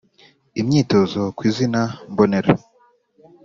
Imyitozo kwi izina mbonera